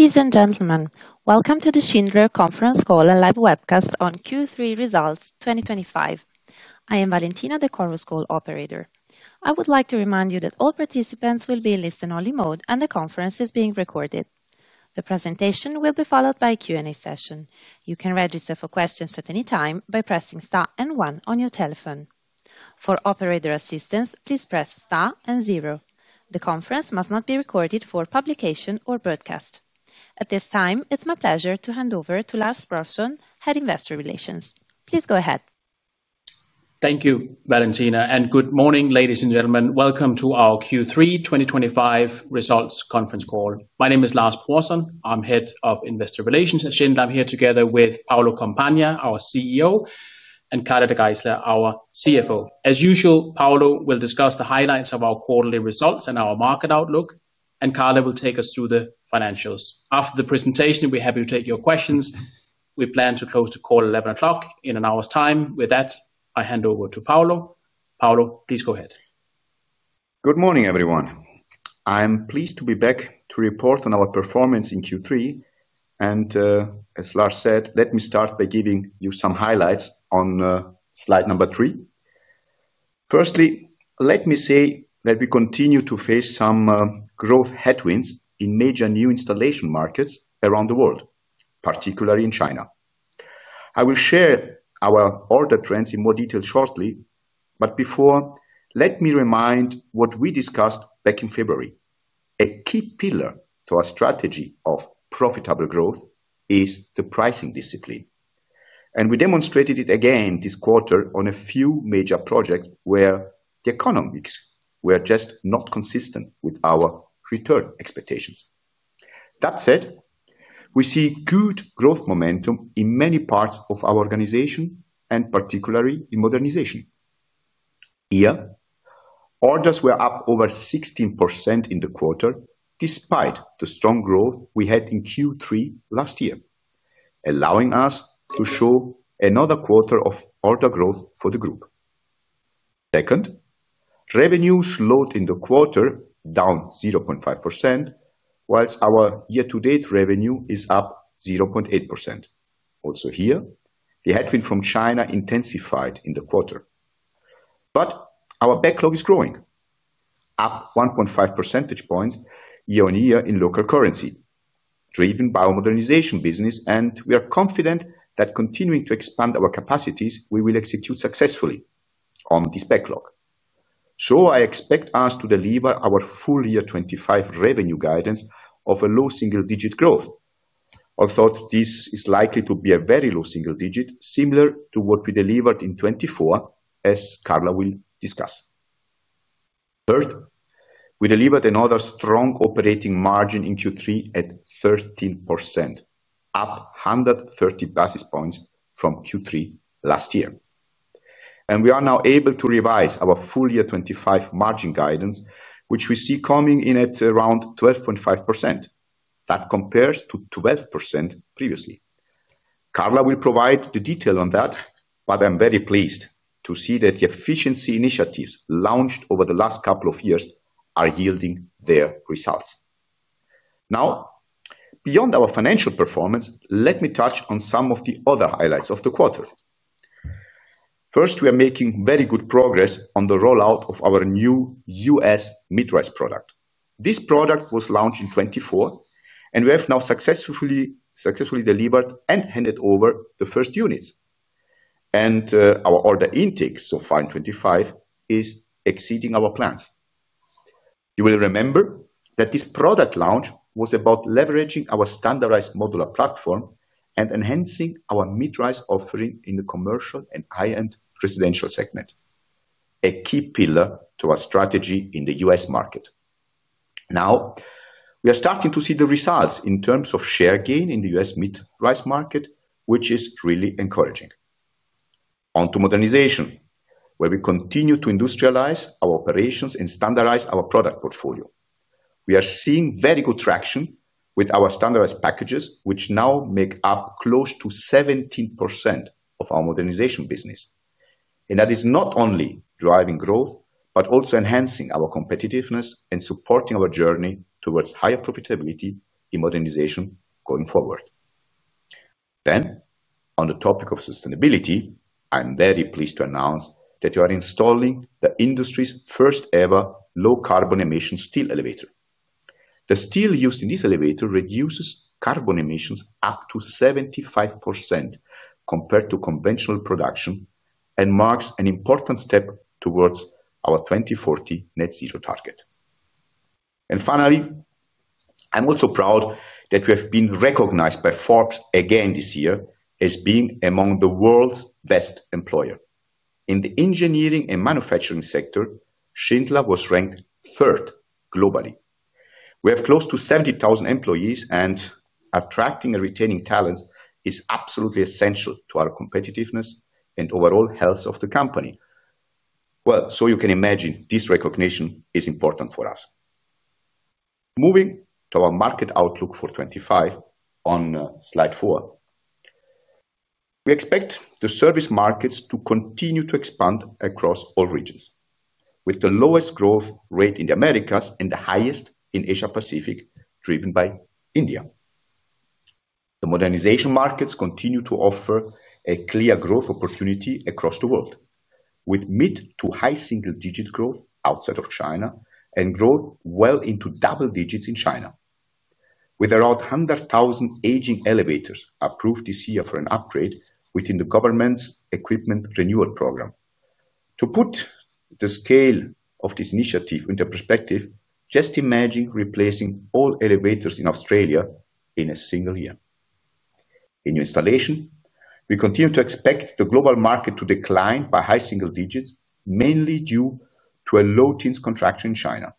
Ladies and gentlemen, welcome to the Schindler Conference Call and Live Webcast on Q3 Results 2025. I am Valentina, the Chorus Call operator. I would like to remind you that all participants will be in listen-only mode and the conference is being recorded. The presentation will be followed by a Q&A session. You can register for questions at any time by pressing star and one on your telephone. For operator assistance, please press star and zero. The conference must not be recorded for publication or broadcast. At this time, it's my pleasure to hand over to Lars Brorson, Head of Investor Relations. Please go ahead. Thank you, Valentina, and good morning, ladies and gentlemen. Welcome to our Q3 2025 Results Conference Call. My name is Lars Brorson, I'm Head of Investor Relations at Schindler. I'm here together with Paolo Compagna, our CEO, and Carla De Geyseleer, our CFO. As usual, Paolo will discuss the highlights of our quarterly results and our market outlook, and Carla will take us through the financials. After the presentation, we're happy to take your questions. We plan to close the call at 11:00 A.M. in an hour's time. With that, I hand over to Paolo. Paolo, please go ahead. Good morning, everyone. I'm pleased to be back to report on our performance in Q3, and as Lars said, let me start by giving you some highlights on slide number three. Firstly, let me say that we continue to face some growth headwinds in major new installation markets around the world, particularly in China. I will share our order trends in more detail shortly, but before, let me remind what we discussed back in February. A key pillar to our strategy of profitable growth is the pricing discipline, and we demonstrated it again this quarter on a few major projects where the economics were just not consistent with our return expectations. That said, we see good growth momentum in many parts of our organization, and particularly in modernization. Here, orders were up over 16% in the quarter despite the strong growth we had in Q3 last year, allowing us to show another quarter of order growth for the group. Second, revenues slowed in the quarter, down 0.5%, whilst our year-to-date revenue is up 0.8%. Also here, the headwind from China intensified in the quarter, but our backlog is growing, up 1.5 percentage points year on year in local currency, driven by our modernization business, and we are confident that continuing to expand our capacities, we will execute successfully on this backlog. I expect us to deliver our full year 2025 revenue guidance of a low single-digit growth, although this is likely to be a very low single digit, similar to what we delivered in 2024, as Carla will discuss. Third, we delivered another strong operating margin in Q3 at 13%, up 130 basis points from Q3 last year, and we are now able to revise our full year 2025 margin guidance, which we see coming in at around 12.5%. That compares to 12% previously. Carla will provide the detail on that, but I'm very pleased to see that the efficiency initiatives launched over the last couple of years are yielding their results. Now, beyond our financial performance, let me touch on some of the other highlights of the quarter. First, we are making very good progress on the rollout of our new U.S. mid-rise product. This product was launched in 2024, and we have now successfully delivered and handed over the first units, and our order intake so far in 2025 is exceeding our plans. You will remember that this product launch was about leveraging our standardized modular platform and enhancing our mid-rise offering in the commercial and high-end residential segment, a key pillar to our strategy in the U.S. market. Now, we are starting to see the results in terms of share gain in the U.S. mid-rise market, which is really encouraging. Onto modernization, where we continue to industrialize our operations and standardize our product portfolio, we are seeing very good traction with our standardized packages, which now make up close to 17% of our modernization business. That is not only driving growth but also enhancing our competitiveness and supporting our journey towards higher profitability in modernization going forward. On the topic of sustainability, I'm very pleased to announce that we are installing the industry's first-ever low-carbon emission steel elevator. The steel used in this elevator reduces carbon emissions up to 75% compared to conventional production and marks an important step towards our 2040 net zero target. I'm also proud that we have been recognized by Forbes again this year as being among the world's best employers. In the engineering and manufacturing sector, Schindler was ranked third globally. We have close to 70,000 employees, and attracting and retaining talent is absolutely essential to our competitiveness and overall health of the company. You can imagine this recognition is important for us. Moving to our market outlook for 2025 on slide four, we expect the service markets to continue to expand across all regions, with the lowest growth rate in the Americas and the highest in Asia-Pacific driven by India. The modernization markets continue to offer a clear growth opportunity across the world, with mid to high single-digit growth outside of China and growth well into double digits in China, with around 100,000 aging elevators approved this year for an upgrade within the government's equipment renewal program. To put the scale of this initiative into perspective, just imagine replacing all elevators in Australia in a single year. In new installation, we continue to expect the global market to decline by high single digits, mainly due to a low-teens contraction in China,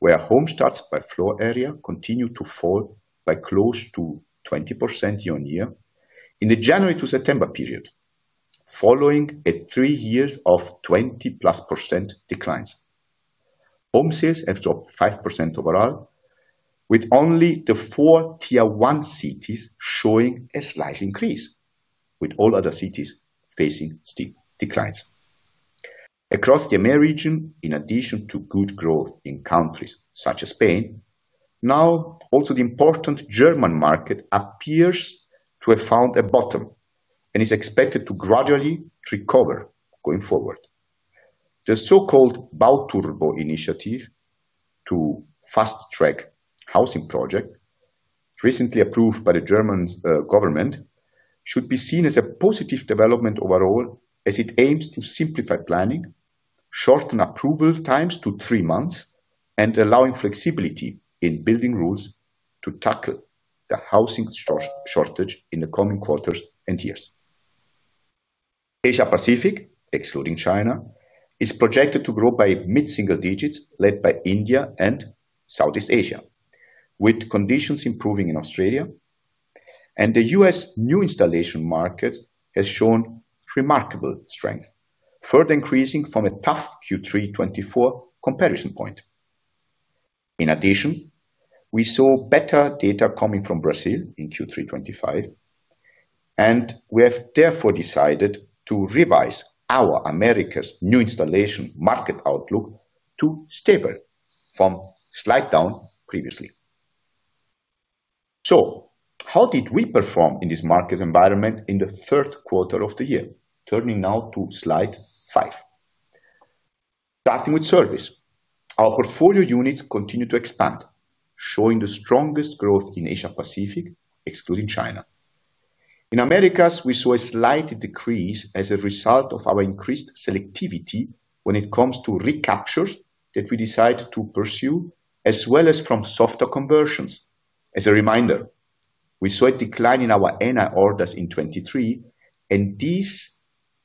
where home starts by floor area continue to fall by close to 20% year on year in the January to September period, following three years of 20%+ declines. Home sales have dropped 5% overall, with only the four tier-one cities showing a slight increase, with all other cities facing steep declines. Across the EMEA region, in addition to good growth in countries such as Spain, now also the important German market appears to have found a bottom and is expected to gradually recover going forward. The so-called Bauturbo initiative, a fast-track housing project recently approved by the German government, should be seen as a positive development overall as it aims to simplify planning, shorten approval times to three months, and allow flexibility in building rules to tackle the housing shortage in the coming quarters and years. Asia-Pacific, excluding China, is projected to grow by mid-single digits, led by India and Southeast Asia, with conditions improving in Australia, and the U.S. new installation market has shown remarkable strength, further increasing from a tough Q3 2024 comparison point. In addition, we saw better data coming from Brazil in Q3 2025, and we have therefore decided to revise our Americas new installation market outlook to stable from slight down previously. How did we perform in this market environment in the third quarter of the year? Turning now to slide five. Starting with service, our portfolio units continue to expand, showing the strongest growth in Asia-Pacific, excluding China. In Americas, we saw a slight decrease as a result of our increased selectivity when it comes to recaptures that we decided to pursue, as well as from softer conversions. As a reminder, we saw a decline in our NI orders in 2023, and this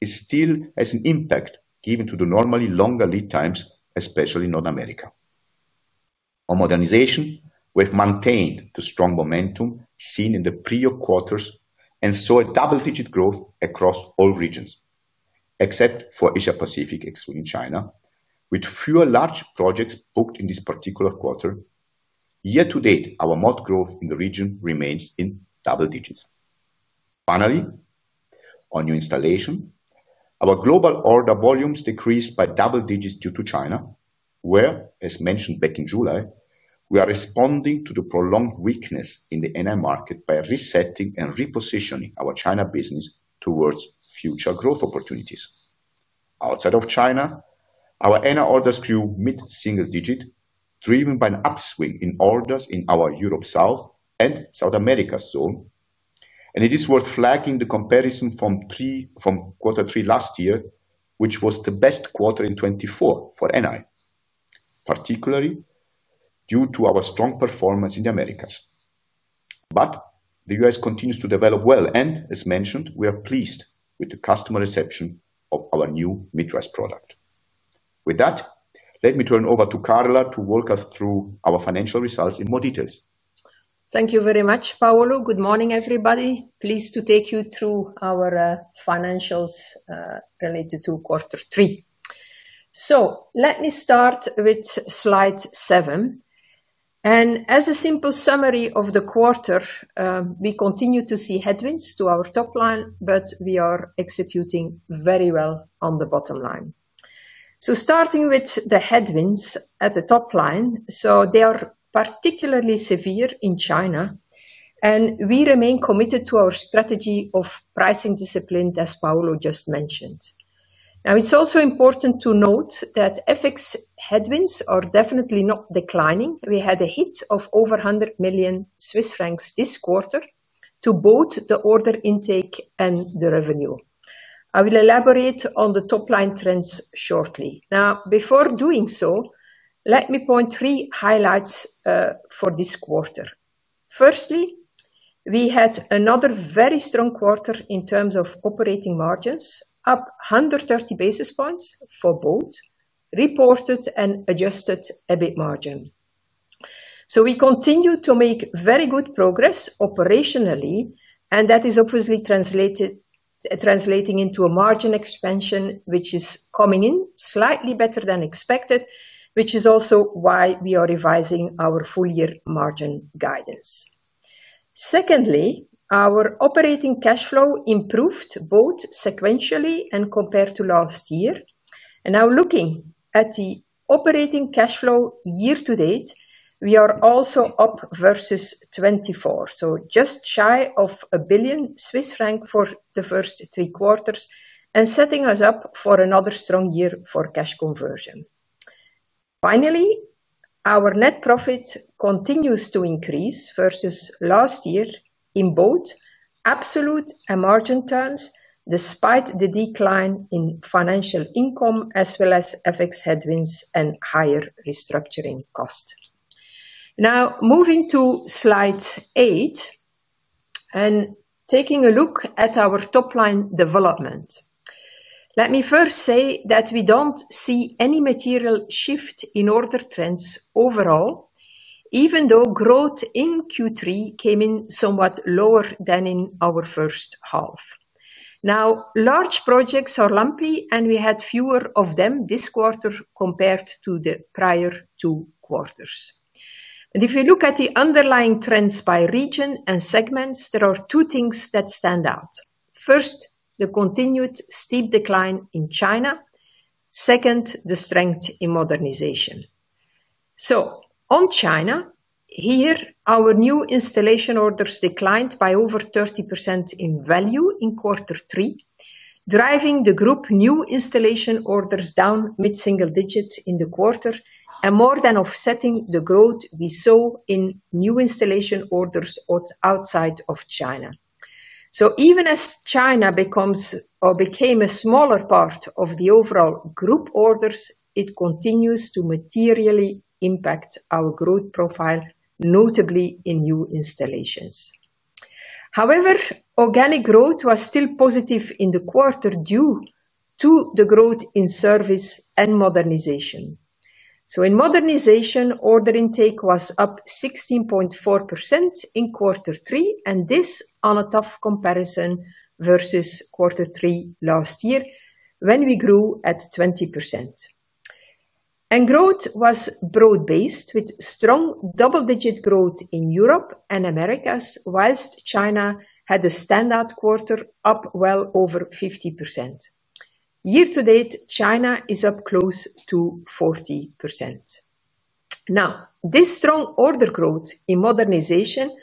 still has an impact given to the normally longer lead times, especially in North America. On modernization, we have maintained the strong momentum seen in the prior quarters and saw a double-digit growth across all regions, except for Asia-Pacific, excluding China, with fewer large projects booked in this particular quarter. Year to date, our mod growth in the region remains in double digits. Finally, on new installation, our global order volumes decreased by double digits due to China, where, as mentioned back in July, we are responding to the prolonged weakness in the NI market by resetting and repositioning our China business towards future growth opportunities. Outside of China, our NI orders grew mid-single digit, driven by an upswing in orders in our Europe South and South America zone, and it is worth flagging the comparison from quarter three last year, which was the best quarter in 2024 for NI, particularly due to our strong performance in the Americas. The U.S. continues to develop well, and as mentioned, we are pleased with the customer reception of our new mid-rise product. With that, let me turn over to Carla to walk us through our financial results in more details. Thank you very much, Paolo. Good morning, everybody. Pleased to take you through our financials related to quarter three. Let me start with slide seven. As a simple summary of the quarter, we continue to see headwinds to our top line, but we are executing very well on the bottom line. Starting with the headwinds at the top line, they are particularly severe in China, and we remain committed to our strategy of pricing discipline, as Paolo just mentioned. It is also important to note that FX headwinds are definitely not declining. We had a hit of over 100 million Swiss francs this quarter to both the order intake and the revenue. I will elaborate on the top line trends shortly. Before doing so, let me point to three highlights for this quarter. Firstly, we had another very strong quarter in terms of operating margins, up 130 basis points for both reported and adjusted EBIT margin. We continue to make very good progress operationally, and that is obviously translating into a margin expansion, which is coming in slightly better than expected, which is also why we are revising our full-year margin guidance. Secondly, our operating cash flow improved both sequentially and compared to last year. Looking at the operating cash flow year to date, we are also up versus 2024, just shy of 1 billion Swiss franc for the first three quarters and setting us up for another strong year for cash conversion. Finally, our net profit continues to increase versus last year in both absolute and margin terms, despite the decline in financial income as well as FX headwinds and higher restructuring costs. Moving to slide eight and taking a look at our top line development, let me first say that we do not see any material shift in order trends overall, even though growth in Q3 came in somewhat lower than in our first half. Large projects are lumpy, and we had fewer of them this quarter compared to the prior two quarters. If you look at the underlying trends by region and segments, there are two things that stand out. First, the continued steep decline in China. Second, the strength in modernization. On China here, our new installation orders declined by over 30% in value in quarter three, driving the group new installation orders down mid-single digits in the quarter and more than offsetting the growth we saw in new installation orders outside of China. Even as China became a smaller part of the overall group orders, it continues to materially impact our growth profile, notably in new installations. However, organic growth was still positive in the quarter due to the growth in service and modernization. In modernization, order intake was up 16.4% in quarter three, and this on a tough comparison versus quarter three last year when we grew at 20%. Growth was broad-based with strong double-digit growth in Europe and Americas, whilst China had a standout quarter up well over 50%. Year to date, China is up close to 40%. This strong order growth in modernization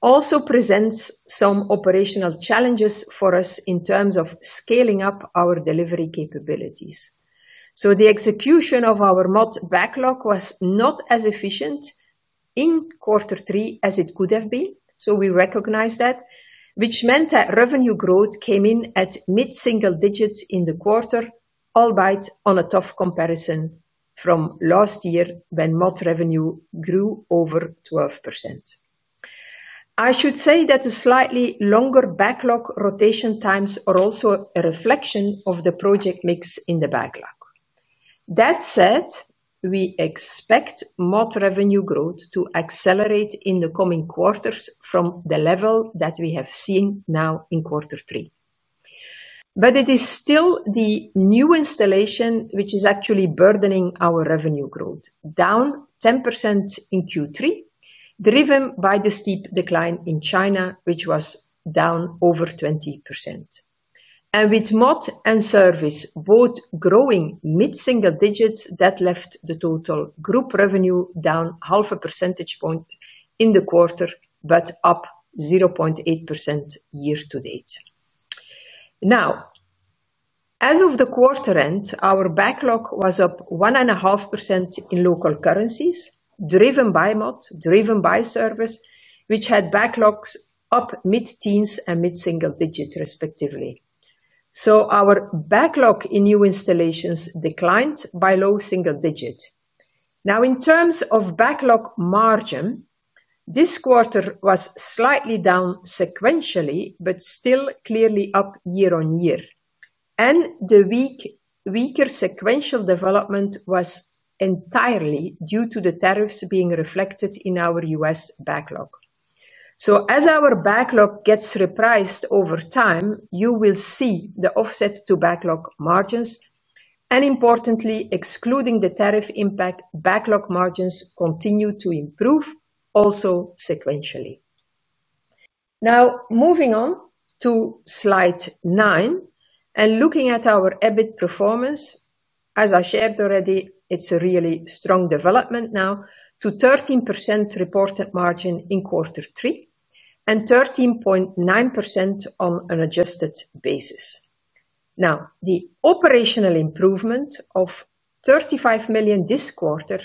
also presents some operational challenges for us in terms of scaling up our delivery capabilities. The execution of our mod backlog was not as efficient in quarter three as it could have been, which meant that revenue growth came in at mid-single digits in the quarter, albeit on a tough comparison from last year when mod revenue grew over 12%. The slightly longer backlog rotation times are also a reflection of the project mix in the backlog. That said, we expect mod revenue growth to accelerate in the coming quarters from the level that we have seen now in quarter three. It is still the new installation which is actually burdening our revenue growth, down 10% in Q3, driven by the steep decline in China, which was down over 20%. With mod and service both growing mid-single digit, that left the total group revenue down half a percentage point in the quarter, but up 0.8% year to date. As of the quarter end, our backlog was up 1.5% in local currencies, driven by mod, driven by service, which had backlogs up mid-teens and mid-single digits, respectively. Our backlog in new installations declined by low single digits. In terms of backlog margin, this quarter was slightly down sequentially, but still clearly up year on year. The weaker sequential development was entirely due to the tariffs being reflected in our U.S. backlog. As our backlog gets repriced over time, you will see the offset to backlog margins, and importantly, excluding the tariff impact, backlog margins continue to improve, also sequentially. Moving on to slide nine and looking at our EBIT performance, as I shared already, it's a really strong development now to 13% reported margin in quarter three and 13.9% on an adjusted basis. Now, the operational improvement of 35 million this quarter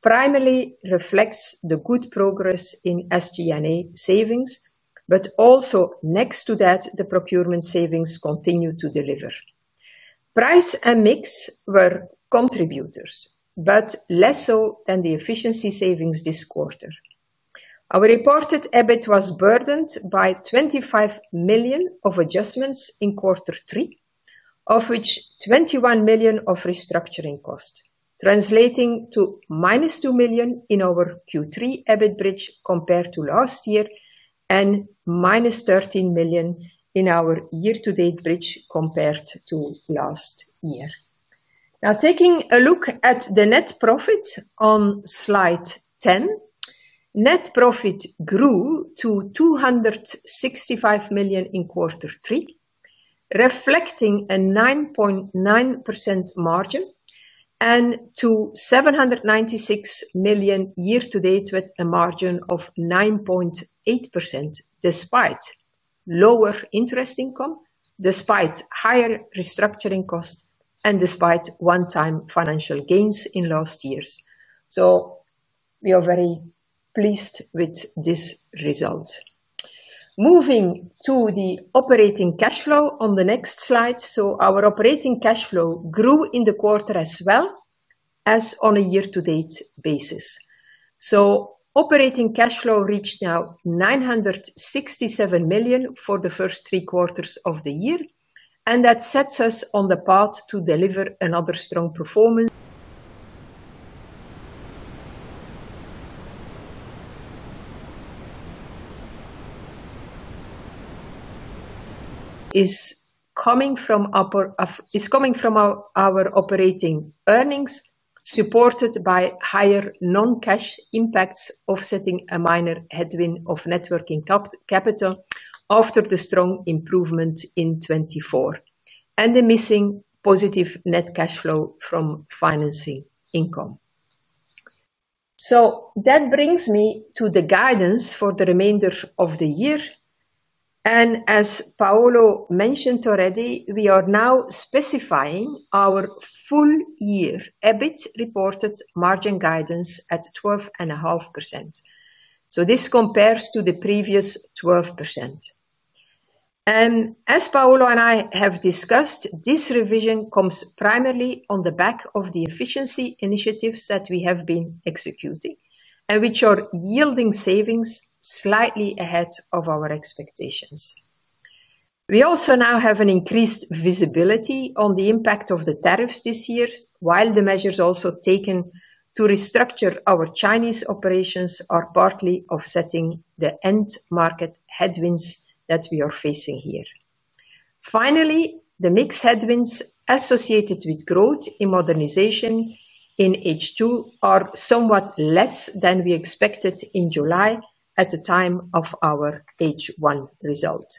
primarily reflects the good progress in SG&A savings, but also next to that, the procurement savings continue to deliver. Price and mix were contributors, but less so than the efficiency savings this quarter. Our reported EBIT was burdened by 25 million of adjustments in quarter three, of which 21 million of restructuring costs, translating to minus -2 million in our Q3 EBIT bridge compared to last year and -13 million in our year-to-date bridge compared to last year. Now, taking a look at the net profit on slide 10, net profit grew to 265 million in quarter three, reflecting a 9.9% margin and to 796 million year to date with a margin of 9.8% despite lower interest income, despite higher restructuring costs, and despite one-time financial gains in last year's. We are very pleased with this result. Moving to the operating cash flow on the next slide, our operating cash flow grew in the quarter as well as on a year-to-date basis. Operating cash flow reached now 967 million for the first three quarters of the year, and that sets us on the path to deliver another strong performance. It's coming from our operating earnings, supported by higher non-cash impacts offsetting a minor headwind of networking capital after the strong improvement in 2024 and the missing positive net cash flow from financing income. That brings me to the guidance for the remainder of the year. As Paolo mentioned already, we are now specifying our full-year EBIT reported margin guidance at 12.5%. This compares to the previous 12%. As Paolo and I have discussed, this revision comes primarily on the back of the efficiency initiatives that we have been executing and which are yielding savings slightly ahead of our expectations. We also now have an increased visibility on the impact of the tariffs this year, while the measures also taken to restructure our Chinese operations are partly offsetting the end market headwinds that we are facing here. Finally, the mixed headwinds associated with growth in modernization in H2 are somewhat less than we expected in July at the time of our H1 result.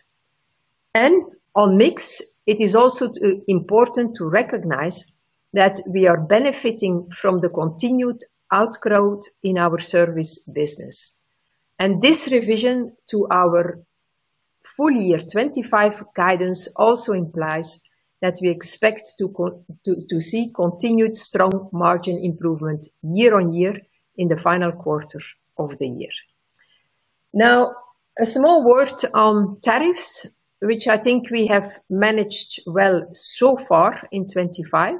On mix, it is also important to recognize that we are benefiting from the continued outgrowth in our service business. This revision to our full-year 2025 guidance also implies that we expect to see continued strong margin improvement year on year in the final quarter of the year. Now, a small word on tariffs, which I think we have managed well so far in 2025.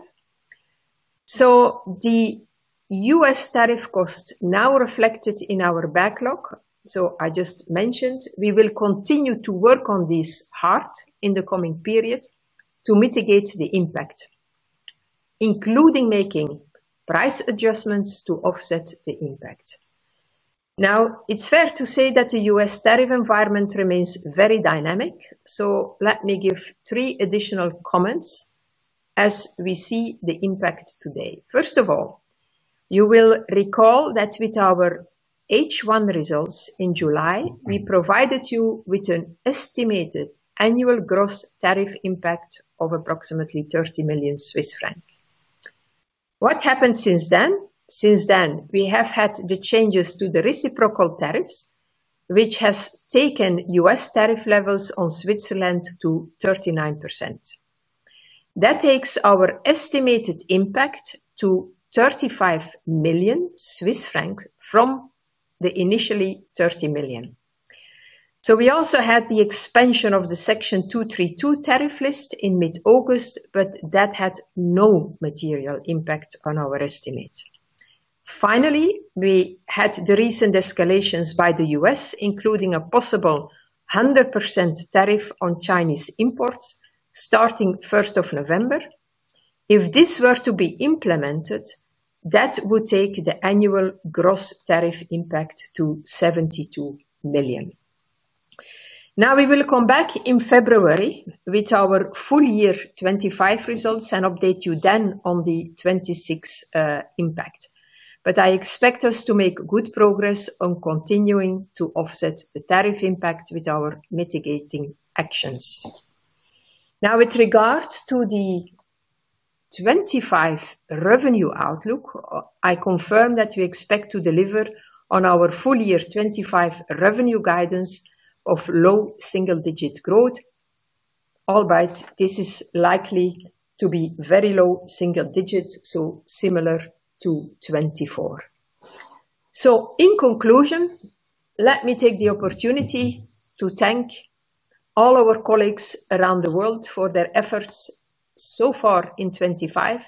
The U.S. tariff costs are now reflected in our backlog, as I just mentioned. We will continue to work on this hard in the coming period to mitigate the impact, including making price adjustments to offset the impact. It is fair to say that the U.S. tariff environment remains very dynamic, so let me give three additional comments as we see the impact today. First of all, you will recall that with our H1 results in July, we provided you with an estimated annual gross tariff impact of approximately 30 million Swiss francs. What happened since then? Since then, we have had the changes to the reciprocal tariffs, which has taken U.S. tariff levels on Switzerland to 39%. That takes our estimated impact to 35 million Swiss francs from the initially 30 million. We also had the expansion of the Section 232 tariff list in mid-August, but that had no material impact on our estimate. Finally, we had the recent escalations by the U.S., including a possible 100% tariff on Chinese imports starting 1st November. If this were to be implemented, that would take the annual gross tariff impact to 72 million. We will come back in February with our full-year 2025 results and update you then on the 2026 impact. I expect us to make good progress on continuing to offset the tariff impact with our mitigating actions. With regard to the 2025 revenue outlook, I confirm that we expect to deliver on our full-year 2025 revenue guidance of low single-digit growth, albeit this is likely to be very low single digits, so similar to 2024. In conclusion, let me take the opportunity to thank all our colleagues around the world for their efforts so far in 2025,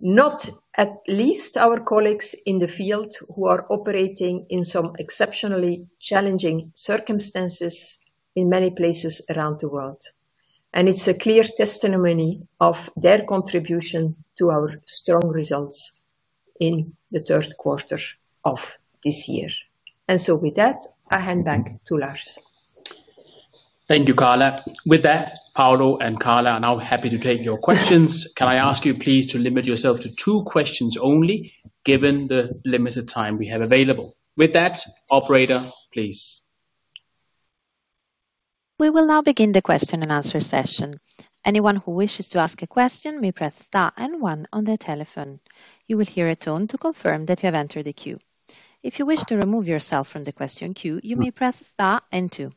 not at least our colleagues in the field who are operating in some exceptionally challenging circumstances in many places around the world. It is a clear testimony of their contribution to our strong results in the third quarter of this year. With that, I hand back to Lars. Thank you, Carla. With that, Paolo and Carla are now happy to take your questions. Can I ask you, please, to limit yourself to two questions only, given the limited time we have available? With that, operator, please. We will now begin the question and answer session. Anyone who wishes to ask a question may press star and one on their telephone. You will hear a tone to confirm that you have entered the queue. If you wish to remove yourself from the question queue, you may press star and two.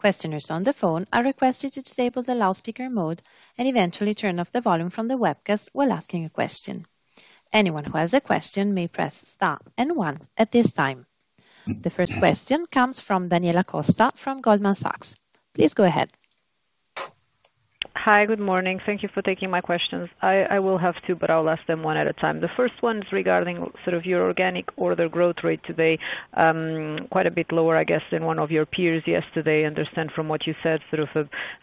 Questioners on the phone are requested to disable the loudspeaker mode and eventually turn off the volume from the webcast while asking a question. Anyone who has a question may press star and one at this time. The first question comes from Daniela Costa from Goldman Sachs. Please go ahead. Hi, good morning. Thank you for taking my questions. I will have two, but I'll ask them one at a time. The first one is regarding your organic order growth rate today, quite a bit lower, I guess, than one of your peers yesterday. I understand from what you said,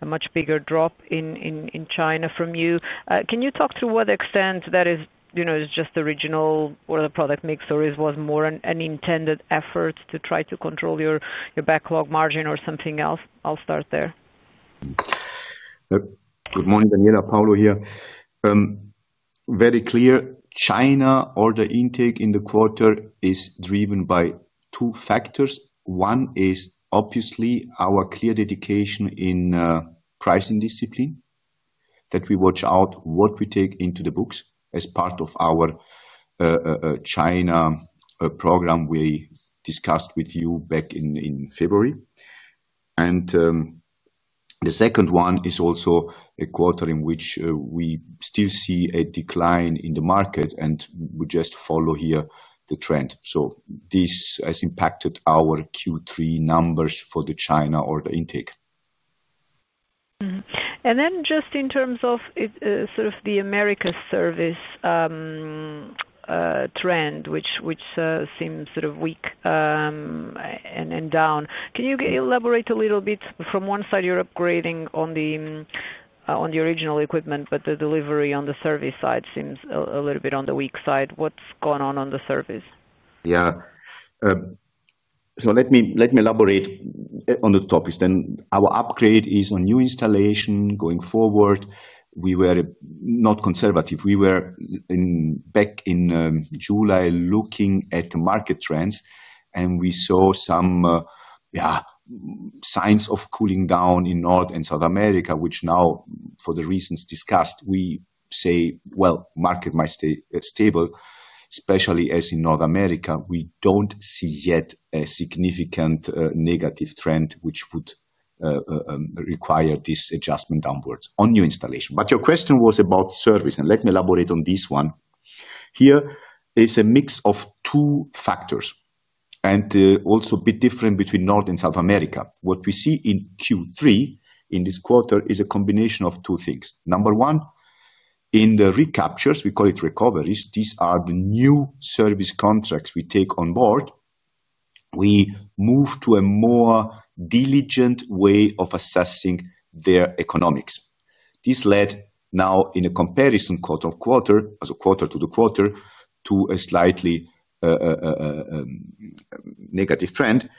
a much bigger drop in China from you. Can you talk to what extent that is just the original or the product mix, or was it more an intended effort to try to control your backlog margin or something else? I'll start there. Good morning, Daniela. Paolo here. Very clear, China order intake in the quarter is driven by two factors. One is obviously our clear dedication in pricing discipline, that we watch out what we take into the books as part of our China program we discussed with you back in February. The second one is also a quarter in which we still see a decline in the market, and we just follow here the trend. This has impacted our Q3 numbers for the China order intake. In terms of the America service trend, which seems sort of weak and down, can you elaborate a little bit? From one side, you're upgrading on the original equipment, but the delivery on the service side seems a little bit on the weak side. What's going on on the service? Yeah. Let me elaborate on the topics. Our upgrade is on new installation. Going forward, we were not conservative. We were back in July looking at the market trends, and we saw some signs of cooling down in North and South America, which, for the reasons discussed, we say the market might stay stable. Especially as in North America, we don't see yet a significant negative trend which would require this adjustment downwards on new installation. Your question was about service, and let me elaborate on this one. Here is a mix of two factors, and also a bit different between North and South America. What we see in Q3 in this quarter is a combination of two things. Number one, in the recaptures, we call it recoveries. These are the new service contracts we take on board. We move to a more diligent way of assessing their economics. This led now in a comparison quarter to quarter, as a quarter to the quarter, to a slightly negative trend.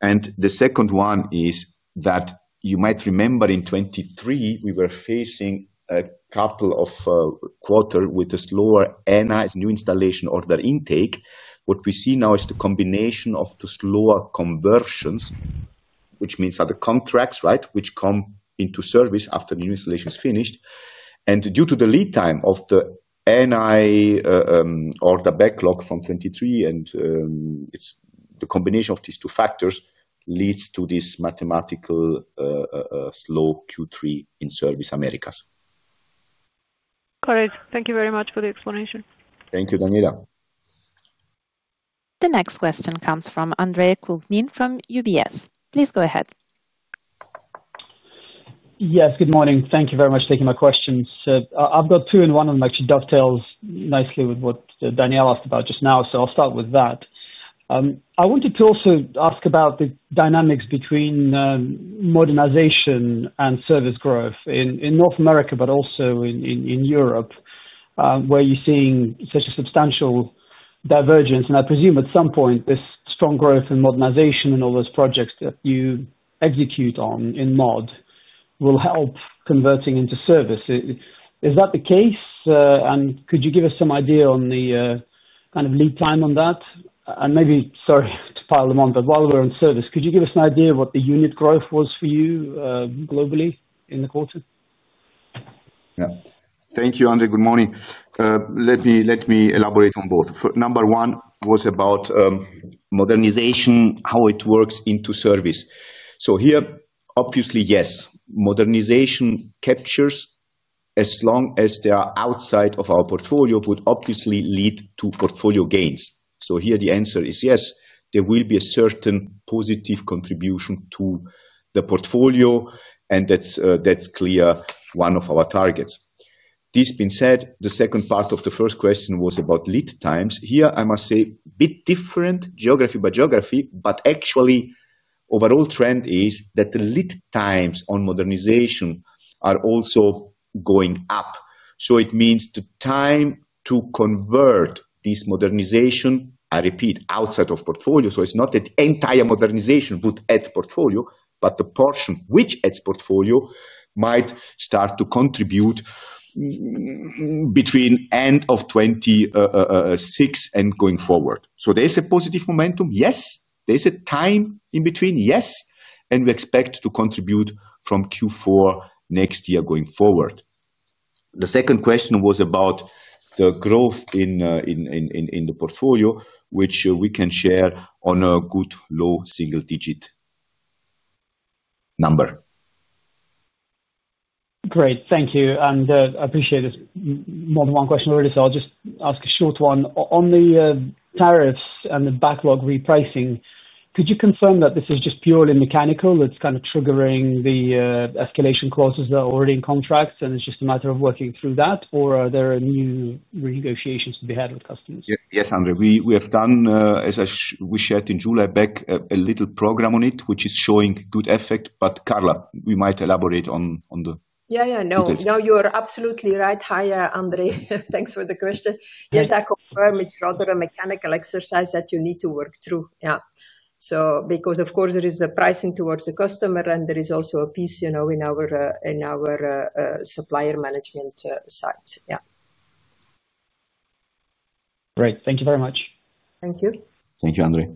The second one is that you might remember in 2023, we were facing a couple of quarters with a slower NI, new installation order intake. What we see now is the combination of the slower conversions, which means other contracts, right, which come into service after the new installation is finished. Due to the lead time of the NI or the backlog from 2023, the combination of these two factors leads to this mathematical slow Q3 in service Americas. Correct. Thank you very much for the explanation. Thank you, Daniela. The next question comes from Andre Kukhnin from UBS. Please go ahead. Yes, good morning. Thank you very much for taking my questions. I've got two, and one of them actually dovetails nicely with what Daniela asked about just now. I'll start with that. I wanted to also ask about the dynamics between modernization and service growth in North America, but also in Europe, where you're seeing such a substantial divergence. I presume at some point, this strong growth in modernization and all those projects that you execute on in mod will help converting into service. Is that the case? Could you give us some idea on the kind of lead time on that? Maybe, sorry to pile them on, but while we're on service, could you give us an idea of what the unit growth was for you globally in the quarter? Thank you, Andre. Good morning. Let me elaborate on both. Number one was about modernization, how it works into service. Here, obviously, yes, modernization captures as long as they are outside of our portfolio would obviously lead to portfolio gains. Here, the answer is yes, there will be a certain positive contribution to the portfolio, and that's clearly one of our targets. This being said, the second part of the first question was about lead times. I must say a bit different geography by geography, but actually, the overall trend is that the lead times on modernization are also going up. It means the time to convert this modernization, I repeat, outside of portfolio. It's not the entire modernization put at portfolio, but the portion which adds portfolio might start to contribute between the end of 2026 and going forward. There is a positive momentum, yes. There is a time in between, yes. We expect to contribute from Q4 next year going forward. The second question was about the growth in the portfolio, which we can share on a good low single-digit number. Great. Thank you. I appreciate there's more than one question already, so I'll just ask a short one. On the tariffs and the backlog repricing, could you confirm that this is just purely mechanical? It's kind of triggering the escalation clauses that are already in contracts, and it's just a matter of working through that, or are there new negotiations to be had with customers? Yes, Andrei. We have done, as we shared in July, a little program on it, which is showing good effect. Carla, we might elaborate on that. Yeah, you are absolutely right. Hi, Andre. Thanks for the question. Yes, I confirm it's rather a mechanical exercise that you need to work through. There is a pricing towards the customer, and there is also a piece in our supplier management side. Great. Thank you very much. Thank you. Thank you, Andrei.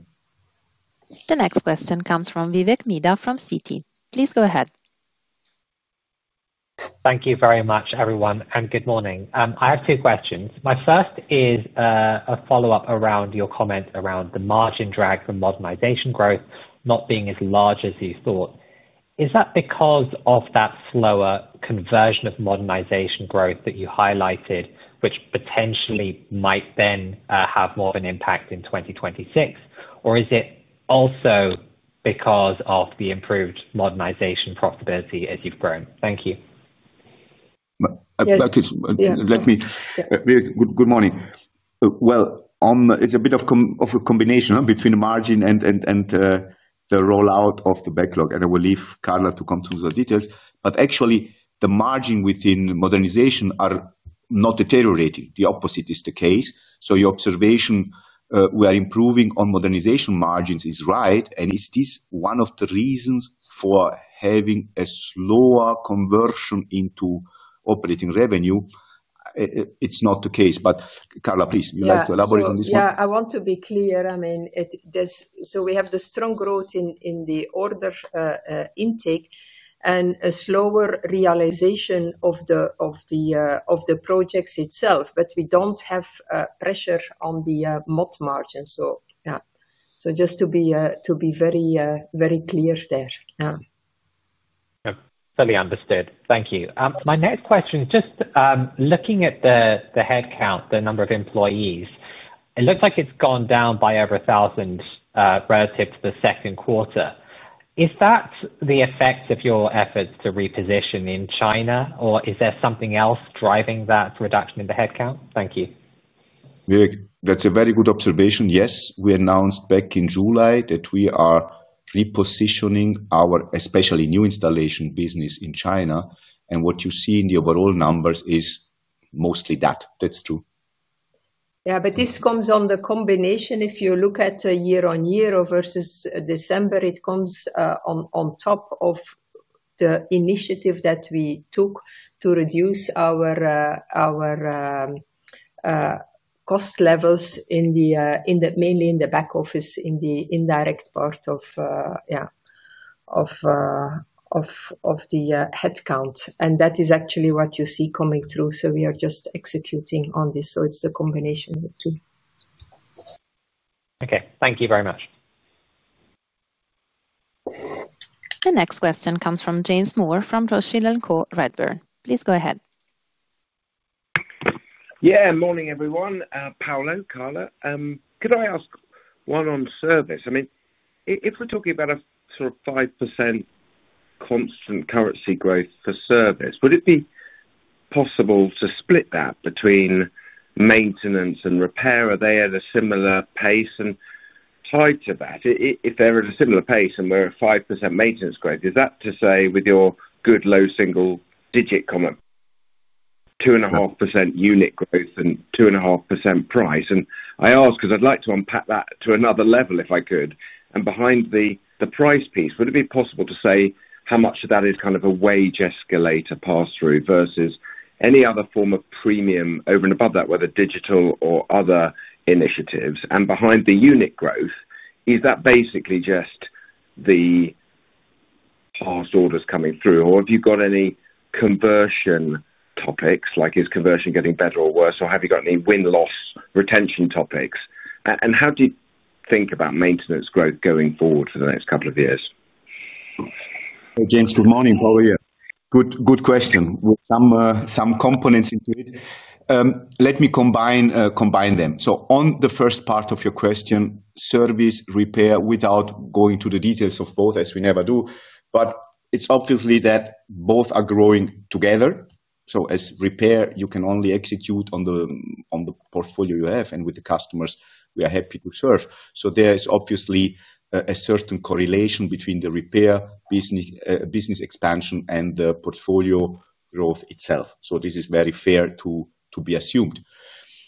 The next question comes from Vivek Midha from Citi. Please go ahead. Thank you very much, everyone, and good morning. I have two questions. My first is a follow-up around your comment around the margin drag from modernization growth not being as large as you thought. Is that because of that slower conversion of modernization growth that you highlighted, which potentially might then have more of an impact in 2026? Or is it also because of the improved modernization profitability as you've grown? Thank you. Let me. Good morning. It is a bit of a combination between the margin and the rollout of the backlog, and I will leave Carla to come to those details. Actually, the margin within modernization is not deteriorating. The opposite is the case. Your observation we are improving on modernization margins is right. Is this one of the reasons for having a slower conversion into operating revenue? It is not the case. Carla, please, would you like to elaborate on this one? I want to be clear. I mean, we have the strong growth in the order intake and a slower realization of the projects itself. We don't have pressure on the mod margin. Just to be very, very clear there. Yeah, fully understood. Thank you. My next question is just looking at the headcount, the number of employees. It looks like it's gone down by over 1,000 relative to the second quarter. Is that the effect of your efforts to reposition in China, or is there something else driving that reduction in the headcount? Thank you. Vivek, that's a very good observation. Yes, we announced back in July that we are repositioning our especially new installation business in China. What you see in the overall numbers is mostly that. That's true. Yeah, this comes on the combination. If you look at a year on year versus December, it comes on top of the initiative that we took to reduce our cost levels, mainly in the back office, in the indirect part of the headcount. That is actually what you see coming through. We are just executing on this. It's the combination of the two. Okay, thank you very much. The next question comes from James Moore from Rothschild & Co Redburn. Please go ahead. Yeah, morning, everyone. Paolo, Carla. Could I ask one on service? If we're talking about a sort of 5% constant currency growth for service, would it be possible to split that between maintenance and repair? Are they at a similar pace? If they're at a similar pace and we're at 5% maintenance growth, is that to say with your good low single-digit comment, 2.5% unit growth and 2.5% price? I ask because I'd like to unpack that to another level if I could. Behind the price piece, would it be possible to say how much of that is kind of a wage escalator pass-through versus any other form of premium over and above that, whether digital or other initiatives? Behind the unit growth, is that basically just the past orders coming through? Have you got any conversion topics? Like, is conversion getting better or worse? Have you got any win-loss retention topics? How do you think about maintenance growth going forward for the next couple of years? James, good morning. How are you? Good question with some components into it. Let me combine them. On the first part of your question, service, repair, without going to the details of both, as we never do, but it's obvious that both are growing together. As repair, you can only execute on the portfolio you have and with the customers we are happy to serve. There is obviously a certain correlation between the repair business expansion and the portfolio growth itself. This is very fair to be assumed.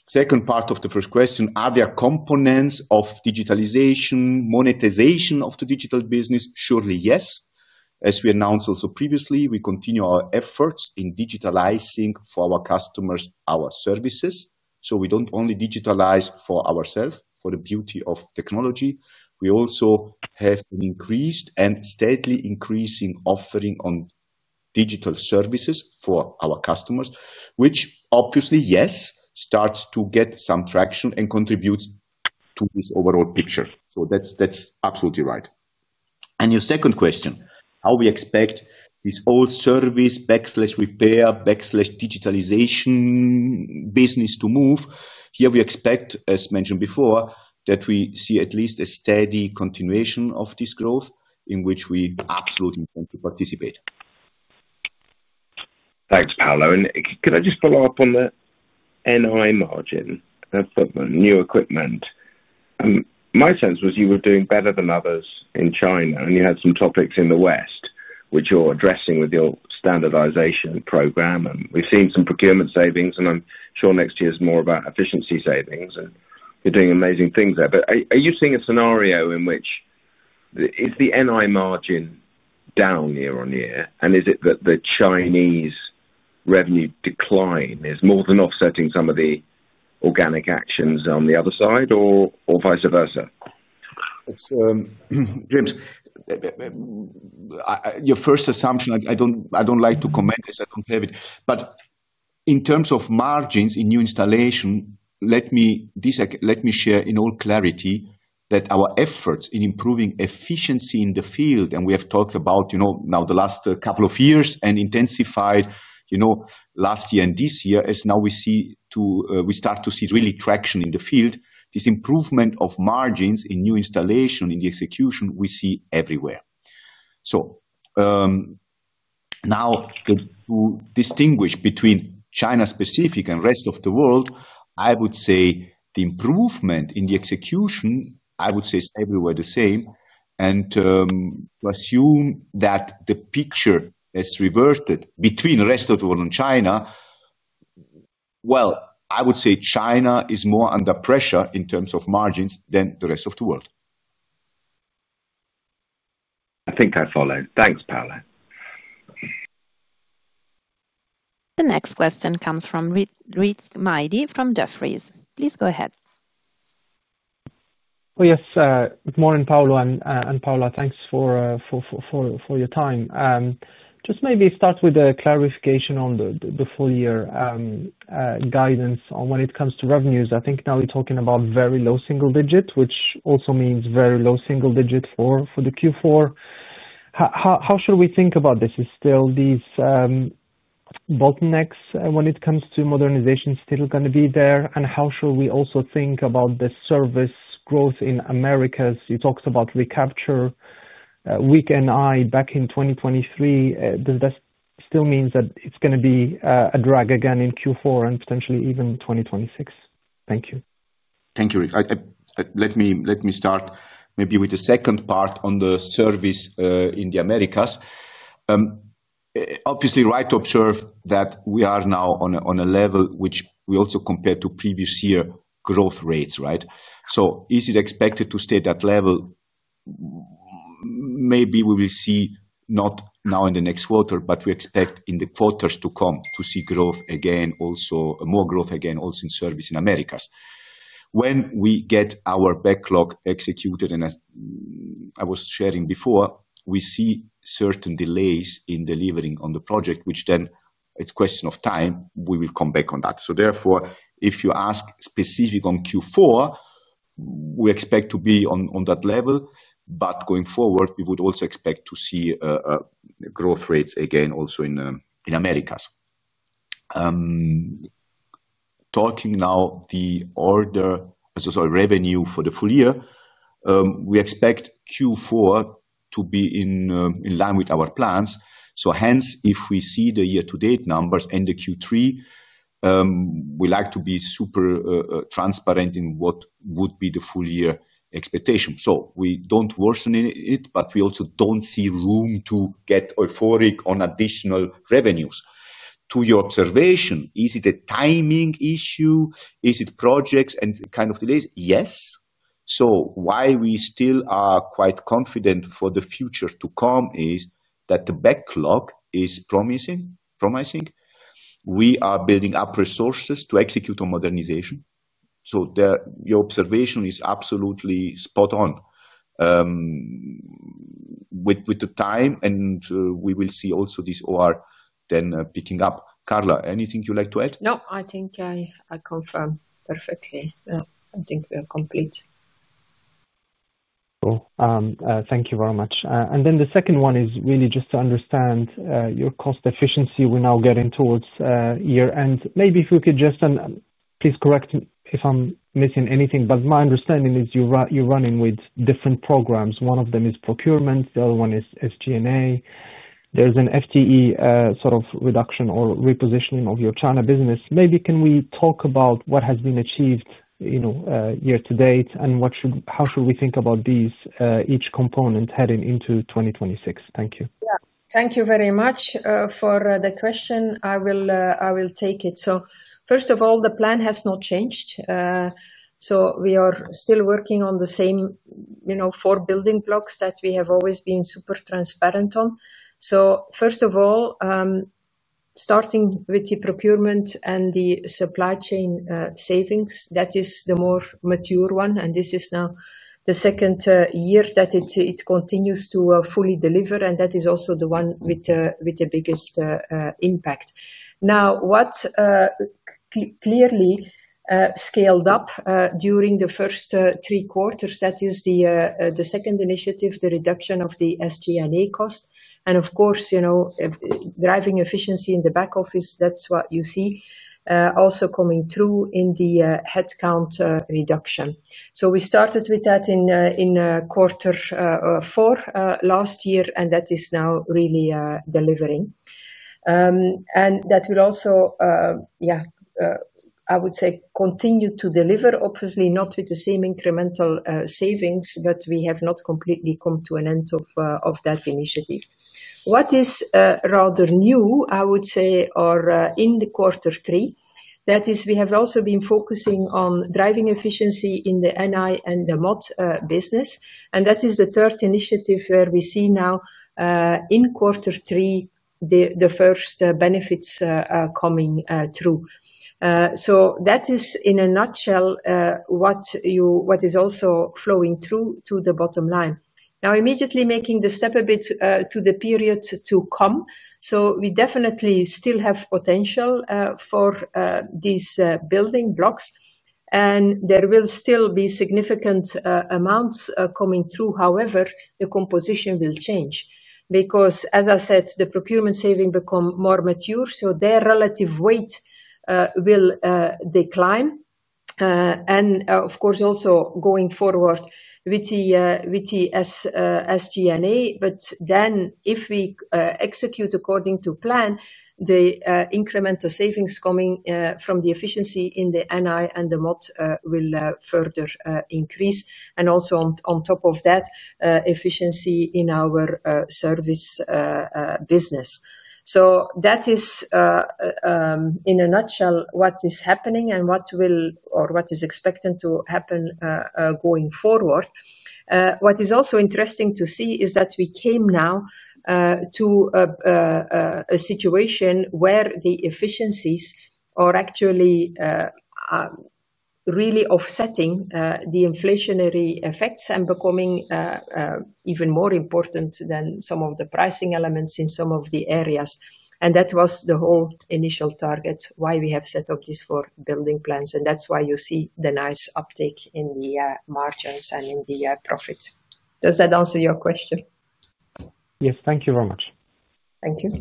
Second part of the first question, are there components of digitalization, monetization of the digital business? Surely, yes. As we announced also previously, we continue our efforts in digitalizing for our customers our services. We don't only digitalize for ourselves, for the beauty of technology. We also have an increased and steadily increasing offering on digital services for our customers, which obviously, yes, starts to get some traction and contributes to this overall picture. That's absolutely right. Your second question, how we expect this all service repair digitalization business to move? Here, we expect, as mentioned before, that we see at least a steady continuation of this growth in which we absolutely want to participate. Thanks, Paolo. Could I just follow up on the NI margin for the new equipment? My sense was you were doing better than others in China, and you had some topics in the West, which you're addressing with your standardization program. We've seen some procurement savings, and I'm sure next year is more about efficiency savings. You're doing amazing things there. Are you seeing a scenario in which the NI margin is down year on year? Is it that the Chinese revenue decline is more than offsetting some of the organic actions on the other side or vice versa? James, your first assumption, I don't like to comment on this. I don't have it. In terms of margins in new installation, let me share in all clarity that our efforts in improving efficiency in the field, and we have talked about, you know, now the last couple of years and intensified last year and this year, as now we start to see really traction in the field. This improvement of margins in new installation in the execution we see everywhere. Now, to distinguish between China specific and the rest of the world, I would say the improvement in the execution is everywhere the same. To assume that the picture has reverted between the rest of the world and China, I would say China is more under pressure in terms of margins than the rest of the world. I think I follow. Thanks, Paolo. The next question comes from Rizk Maidi from Jefferies. Please go ahead. Oh, yes. Good morning, Paolo. And Paola, thanks for your time. Just maybe start with a clarification on the full-year guidance on when it comes to revenues. I think now we're talking about very low single digits, which also means very low single digits for the Q4. How should we think about this? Is still these bottlenecks when it comes to modernization still going to be there? How should we also think about the service growth in America? You talked about recapture, weak NI back in 2023. Does that still mean that it's going to be a drag again in Q4 and potentially even 2026? Thank you. Thank you, Rizk. Let me start maybe with the second part on the service in the Americas. Obviously, right to observe that we are now on a level which we also compare to previous year growth rates, right? Is it expected to stay at that level? Maybe we will see not now in the next quarter, but we expect in the quarters to come to see growth again, also more growth again, also in service in Americas. When we get our backlog executed, and as I was sharing before, we see certain delays in delivering on the project, which then it's a question of time. We will come back on that. Therefore, if you ask specific on Q4, we expect to be on that level. Going forward, we would also expect to see growth rates again also in Americas. Talking now the order, sorry, revenue for the full year, we expect Q4 to be in line with our plans. Hence, if we see the year-to-date numbers and the Q3, we like to be super transparent in what would be the full-year expectation. We don't worsen it, but we also don't see room to get euphoric on additional revenues. To your observation, is it a timing issue? Is it projects and kind of delays? Yes. Why we still are quite confident for the future to come is that the backlog is promising. We are building up resources to execute on modernization. Your observation is absolutely spot on. With the time, and we will see also this OR then picking up. Carla, anything you'd like to add? No, I think I confirm perfectly. I think we are complete. Thank you very much. The second one is really just to understand your cost efficiency. We're now getting towards year-end. Maybe if we could just, and please correct me if I'm missing anything, but my understanding is you're running with different programs. One of them is procurement, the other one is SG&A. There's an FTE sort of reduction or repositioning of your China business. Maybe can we talk about what has been achieved year to date, and how should we think about each component heading into 2026? Thank you. Thank you very much for the question. I will take it. First of all, the plan has not changed. We are still working on the same four building blocks that we have always been super transparent on. First of all, starting with the procurement and the supply chain savings, that is the more mature one. This is now the second year that it continues to fully deliver, and that is also the one with the biggest impact. What clearly scaled up during the first three quarters is the second initiative, the reduction of the SG&A cost. Of course, driving efficiency in the back office, that's what you see also coming through in the headcount reduction. We started with that in quarter four last year, and that is now really delivering. That will also, I would say, continue to deliver, obviously not with the same incremental savings, but we have not completely come to an end of that initiative. What is rather new, I would say, in quarter three is that we have also been focusing on driving efficiency in the new installations and the modernization business. That is the third initiative where we see now in quarter three the first benefits coming through. That is, in a nutshell, what is also flowing through to the bottom line. Immediately making the step a bit to the period to come, we definitely still have potential for these building blocks, and there will still be significant amounts coming through. However, the composition will change because, as I said, the procurement saving becomes more mature, so their relative weight will decline. Of course, also going forward with the SG&A. If we execute according to plan, the incremental savings coming from the efficiency in the NI and the modernization will further increase. Also on top of that, efficiency in our service business. That is, in a nutshell, what is happening and what will or what is expected to happen going forward. What is also interesting to see is that we came now to a situation where the efficiencies are actually really offsetting the inflationary effects and becoming even more important than some of the pricing elements in some of the areas. That was the whole initial target why we have set up these four building plans. That's why you see the nice uptake in the margins and in the profits. Does that answer your question? Yes, thank you very much. Thank you.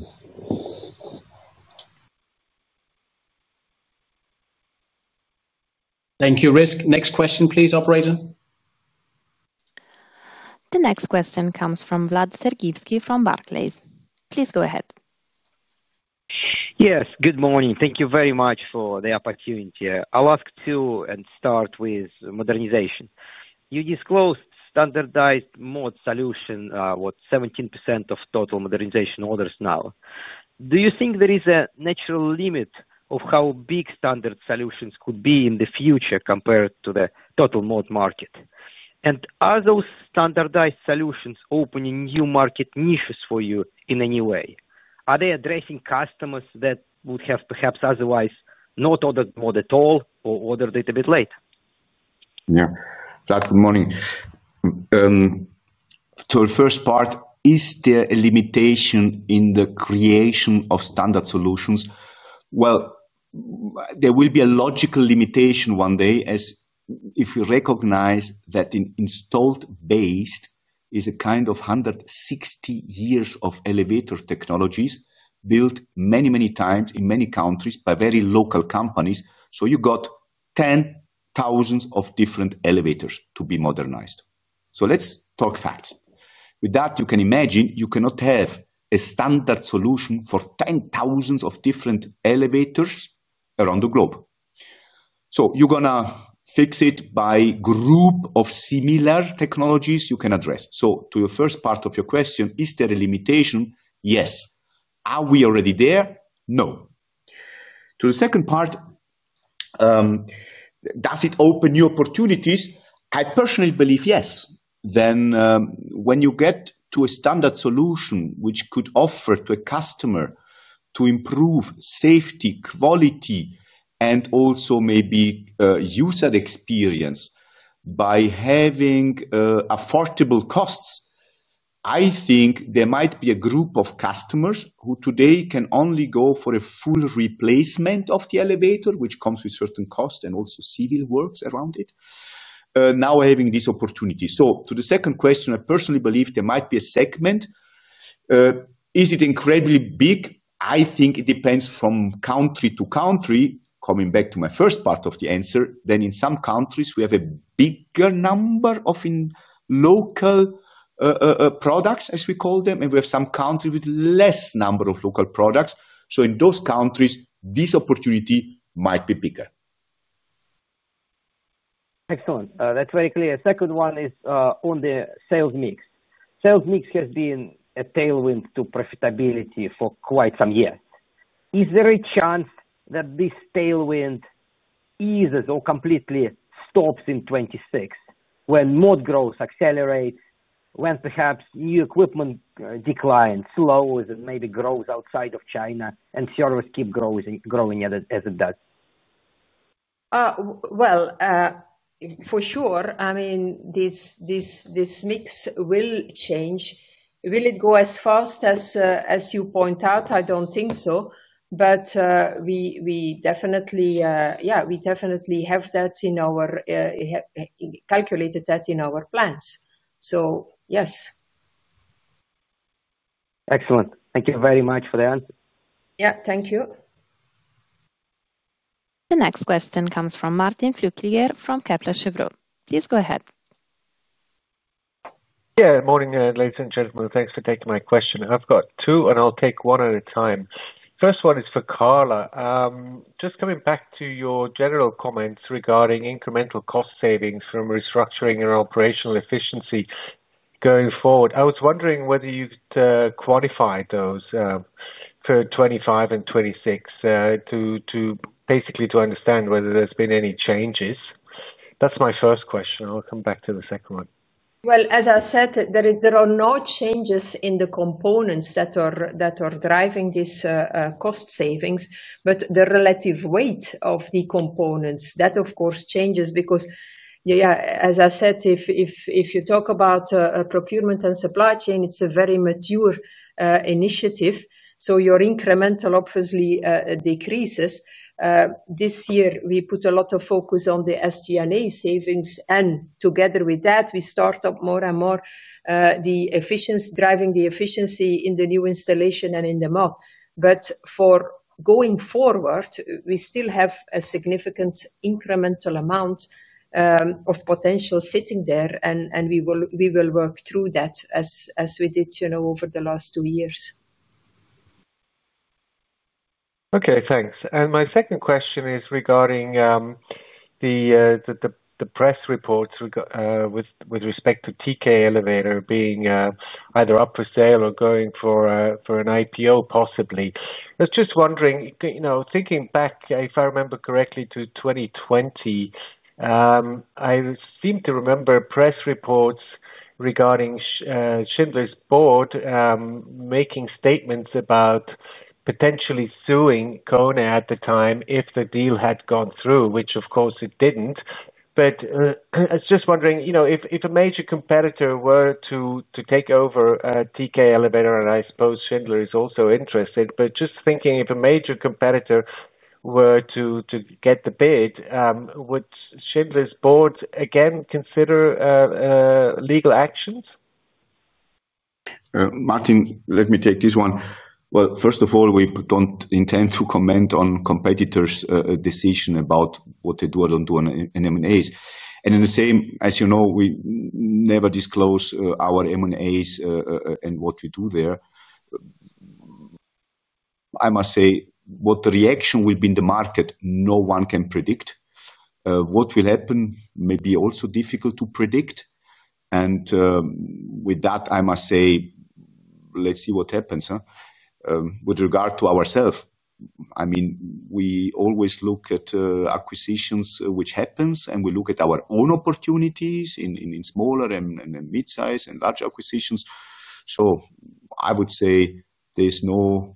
Thank you, Rizk. Next question, please, operator. The next question comes from Vlad Sergievskiy from Barclays. Please go ahead. Yes, good morning. Thank you very much for the opportunity. I'll ask two and start with modernization. You disclosed standardized modernization solution, what, 17% of total modernization orders now. Do you think there is a natural limit of how big standard solutions could be in the future compared to the total modernization market? Are those standardized solutions opening new market niches for you in any way? Are they addressing customers that would have perhaps otherwise not ordered modernization at all or ordered it a bit later? Good morning. To the first part, is there a limitation in the creation of standard solutions? There will be a logical limitation one day as if you recognize that in installed-base there is a kind of 160 years of elevator technologies built many, many times in many countries by very local companies. You have 10,000 different elevators to be modernized. Let's talk facts. With that, you can imagine you cannot have a standard solution for 10,000 different elevators around the globe. You are going to fix it by a group of similar technologies you can address. To your first part of your question, is there a limitation? Yes. Are we already there? No. To the second part, does it open new opportunities? I personally believe yes. When you get to a standard solution which could offer to a customer to improve safety, quality, and also maybe user experience by having affordable costs, I think there might be a group of customers who today can only go for a full replacement of the elevator, which comes with certain costs and also civil works around it, now having this opportunity. To the second question, I personally believe there might be a segment. Is it incredibly big? I think it depends from country to country. Coming back to my first part of the answer, in some countries, we have a bigger number of local products, as we call them, and we have some countries with less number of local products. In those countries, this opportunity might be bigger. Excellent. That's very clear. The second one is on the sales mix. Sales mix has been a tailwind to profitability for quite some years. Is there a chance that this tailwind eases or completely stops in 2026 when mod growth accelerates, when perhaps new equipment declines, slows, and maybe grows outside of China, and service keeps growing as it does? This mix will change. Will it go as fast as you point out? I don't think so. We definitely have that calculated in our plans. So yes. Excellent. Thank you very much for the answer. Thank you. The next question comes from Martin Flueckiger from Kepler Cheuvreux. Please go ahead. Good morning, ladies and gentlemen. Thanks for taking my question. I've got two, and I'll take one at a time. First one is for Carla. Just coming back to your general comments regarding incremental cost savings from restructuring your operational efficiency going forward, I was wondering whether you could quantify those for 2025 and 2026 to basically understand whether there's been any changes. That's my first question. I'll come back to the second one. As I said, there are no changes in the components that are driving these cost savings, but the relative weight of the components, that of course changes because, as I said, if you talk about procurement and supply chain, it's a very mature initiative. Your incremental obviously decreases. This year, we put a lot of focus on the SG&A savings, and together with that, we start up more and more the efficiency driving the efficiency in the new installation and in the modernization. For going forward, we still have a significant incremental amount of potential sitting there, and we will work through that as we did over the last two years. Okay, thanks. My second question is regarding the press reports with respect to TK Elevator being either up for sale or going for an IPO possibly. I was just wondering, thinking back, if I remember correctly, to 2020, I seem to remember press reports regarding Schindler's Board making statements about potentially suing Kone at the time if the deal had gone through, which of course it didn't. I was just wondering, if a major competitor were to take over TK Elevator, and I suppose Schindler is also interested, just thinking if a major competitor were to get the bid, would Schindler's Board again consider legal actions? Martin, let me take this one. First of all, we don't intend to comment on competitors' decision about what they do or don't do on M&As. As you know, we never disclose our M&As and what we do there. I must say what the reaction will be in the market, no one can predict. What will happen may be also difficult to predict. With that, I must say, let's see what happens. With regard to ourselves, I mean, we always look at acquisitions which happen, and we look at our own opportunities in smaller and mid-size and large acquisitions. I would say there's no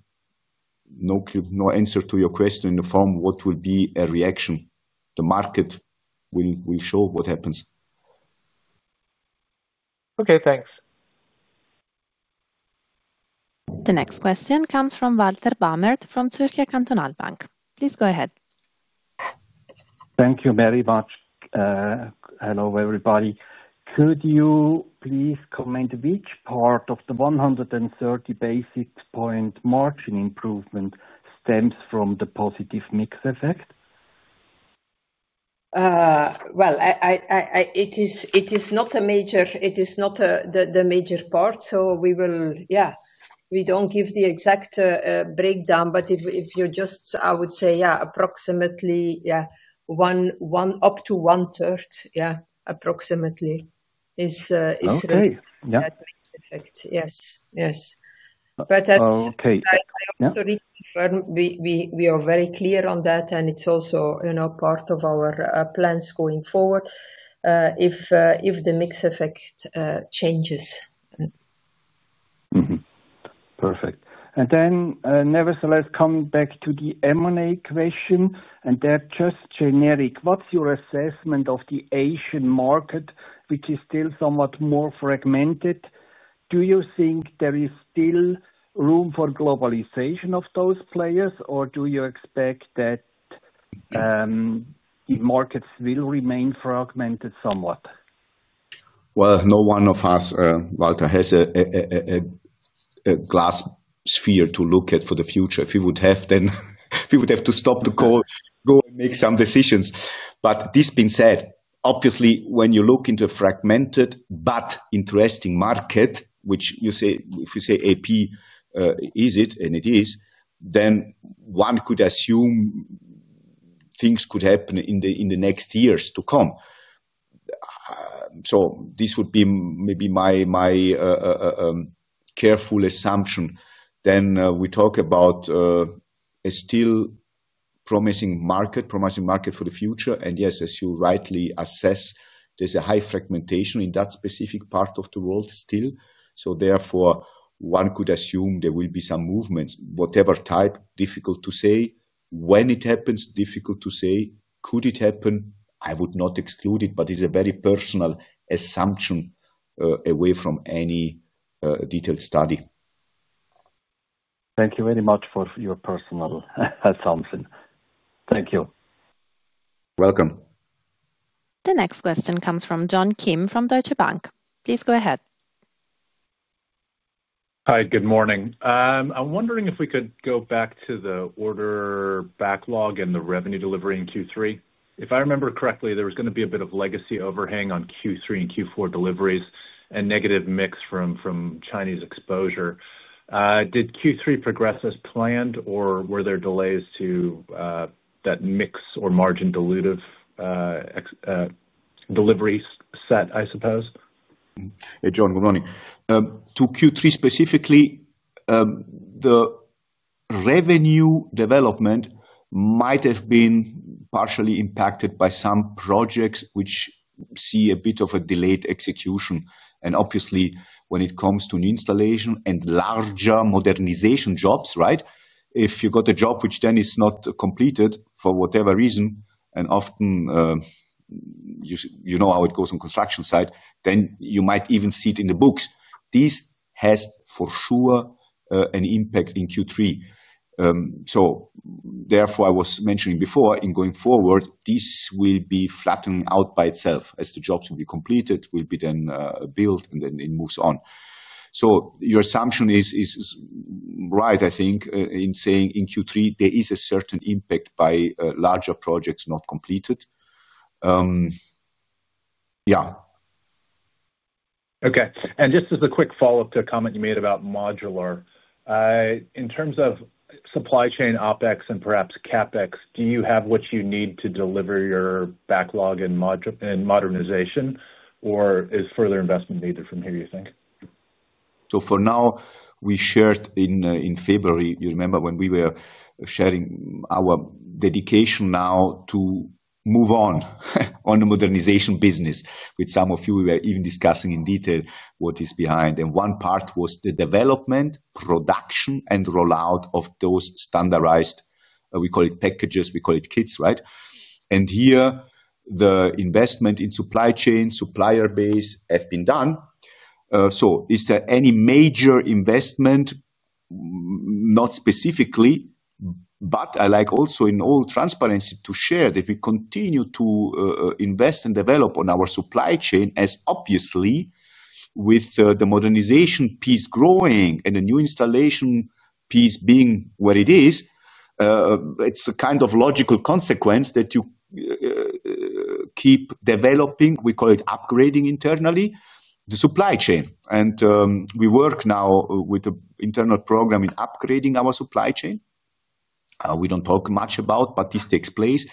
answer to your question in the form of what will be a reaction. The market will show what happens. Okay, thanks. The next question comes from Walter Bamert from Zürcher Kantonalbank. Please go ahead. Thank you very much. Hello, everybody. Could you please comment which part of the 130 basis point margin improvement stems from the positive mix effect? It is not a major, it is not the major part. We don't give the exact breakdown, but if you're just, I would say, approximately, up to 1/3, approximately, is a mix effect. Yes, yes. I also reconfirm we are very clear on that, and it's also part of our plans going forward if the mix effect changes. Perfect. Nevertheless, coming back to the M&A question, and just generic, what's your assessment of the Asian market, which is still somewhat more fragmented? Do you think there is still room for globalization of those players, or do you expect that the markets will remain fragmented somewhat? None of us, Walter, has a glass sphere to look at for the future. If we would have, we would have to stop the call, go and make some decisions. This being said, obviously, when you look into a fragmented but interesting market, which you say, if you say AP is it, and it is, one could assume things could happen in the next years to come. This would be maybe my careful assumption. We talk about a still promising market, promising market for the future. Yes, as you rightly assess, there's a high fragmentation in that specific part of the world still. Therefore, one could assume there will be some movements, whatever type, difficult to say. When it happens, difficult to say. Could it happen? I would not exclude it, but it's a very personal assumption away from any detailed study. Thank you very much for your personal assumption. Thank you. Welcome. The next question comes from John Kim from Deutsche Bank. Please go ahead. Hi, good morning. I'm wondering if we could go back to the order backlog and the revenue delivery in Q3. If I remember correctly, there was going to be a bit of legacy overhang on Q3 and Q4 deliveries and negative mix from Chinese exposure. Did Q3 progress as planned, or were there delays to that mix or margin delivery set, I suppose? Yeah, John, good morning. To Q3 specifically, the revenue development might have been partially impacted by some projects which see a bit of a delayed execution. Obviously, when it comes to an installation and larger modernization jobs, if you got a job which then is not completed for whatever reason, and often, you know how it goes on the construction site, you might even see it in the books. This has for sure an impact in Q3. Therefore, I was mentioning before, going forward, this will be flattened out by itself as the jobs will be completed, will be then built, and then it moves on. Your assumption is right, I think, in saying in Q3, there is a certain impact by larger projects not completed. Yeah. Okay. Just as a quick follow-up to a comment you made about modular, in terms of supply chain OpEx and perhaps CapEx, do you have what you need to deliver your backlog in modernization, or is further investment needed from here, you think? We shared in February, you remember when we were sharing our dedication now to move on the modernization business. With some of you, we were even discussing in detail what is behind. One part was the development, production, and rollout of those standardized, we call it packages, we call it kits, right? Here, the investment in supply chain, supplier base has been done. Is there any major investment? Not specifically, but I like also in all transparency to share that we continue to invest and develop on our supply chain as obviously with the modernization piece growing and the new installation piece being what it is. It's a kind of logical consequence that you keep developing, we call it upgrading internally, the supply chain. We work now with an internal program in upgrading our supply chain. We don't talk much about it, but this takes place.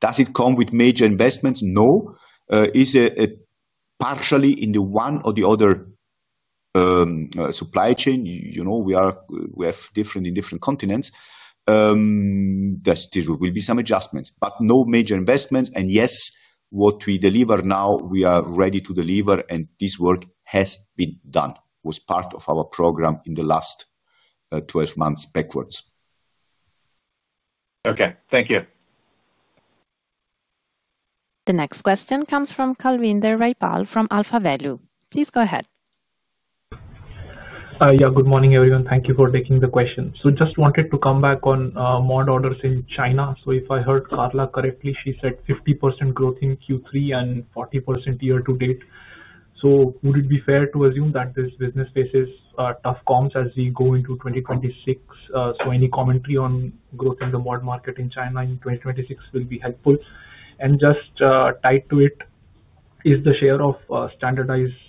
Does it come with major investments? No. Is it partially in the one or the other supply chain? You know, we have different in different continents. There will be some adjustments, but no major investments. Yes, what we deliver now, we are ready to deliver, and this work has been done, was part of our program in the last 12 months backwards. Okay, thank you. The next question comes from Kalwinder Rajpal from AlphaValue. Please go ahead. Good morning, everyone. Thank you for taking the question. I just wanted to come back on mod orders in China. If I heard Carla correctly, she said 50% growth in Q3 and 40% year-to-date. Would it be fair to assume that this business faces tough comps as we go into 2026? Any commentary on growth in the mod market in China in 2026 will be helpful. Just tied to it, is the share of standardized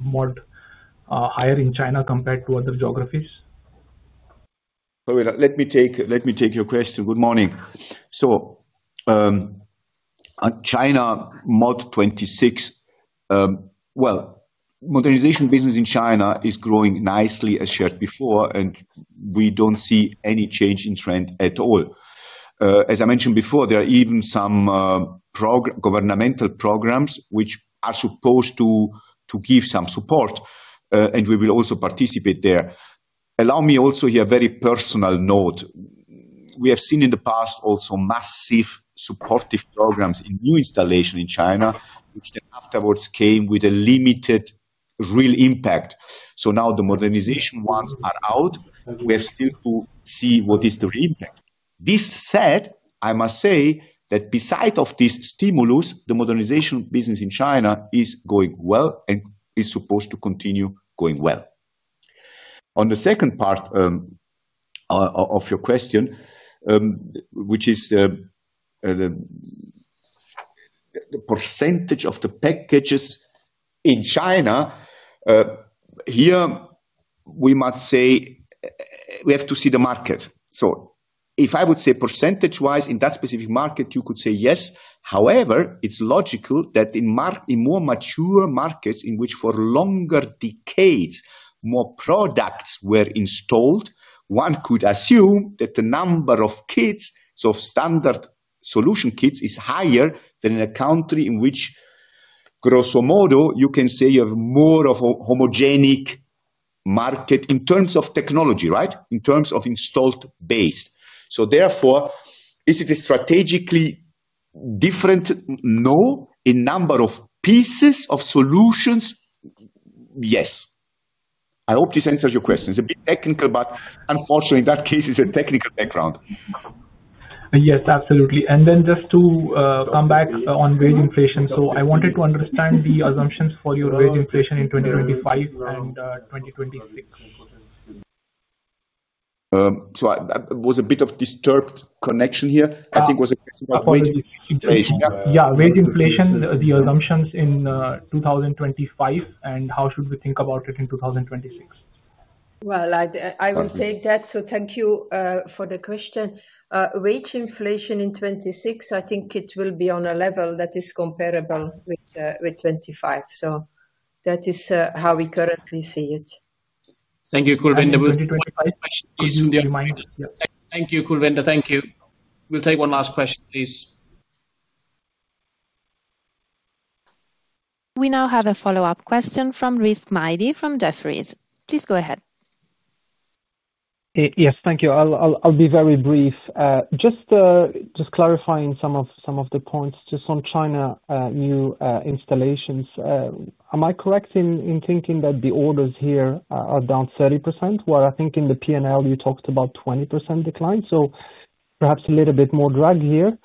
mod higher in China compared to other geographies? Let me take your question. Good morning. China mod 26, modernization business in China is growing nicely, as shared before, and we don't see any change in trend at all. As I mentioned before, there are even some governmental programs which are supposed to give some support, and we will also participate there. Allow me also here a very personal note. We have seen in the past also massive supportive programs in new installations in China, which afterwards came with a limited real impact. Now the modernization ones are out. We have still to see what is the real impact. This said, I must say that beside this stimulus, the modernization business in China is going well and is supposed to continue going well. On the second part of your question, which is the percentage of the packages in China, here we must say we have to see the market. If I would say percentage-wise in that specific market, you could say yes. However, it's logical that in more mature markets in which for longer decades, more products were installed, one could assume that the number of kits, so of standard solution kits, is higher than in a country in which, grosso modo, you can say you have more of a homogeneic market in terms of technology, right, in terms of installed base. Therefore, is it strategically different? No. In number of pieces of solutions, yes. I hope this answers your question. It's a bit technical, but unfortunately, in that case, it's a technical background. Yes, absolutely. Just to come back on wage inflation, I wanted to understand the assumptions for your wage inflation in 2025 and 2026. That was a bit of a disturbed connection here. I think it was a question about wage inflation. Yeah, wage inflation, the assumptions in 2025, and how should we think about it in 2026? Thank you for the question. Wage inflation in 2026, I think it will be on a level that is comparable with 2025. That is how we currently see it. Thank you, Kulwinder. We'll take one last question from Rizk. Thank you, Kulwinder. We'll take one last question, please. We now have a follow-up question from Rizk Maidi from Jefferies. Please go ahead. Yes, thank you. I'll be very brief. Just clarifying some of the points, just on China new installations. Am I correct in thinking that the orders here are down 30%? I think in the P&L, you talked about a 20% decline. Perhaps a little bit more drag here